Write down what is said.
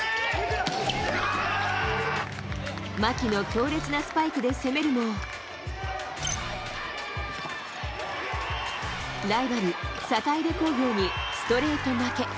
牧の強烈なスパイクで攻めるもライバル、坂出工業にストレート負け。